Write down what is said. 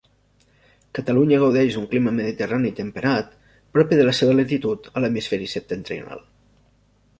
Catalunya gaudeix d'un clima mediterrani temperat propi de la seva latitud a l'hemisferi septentrional.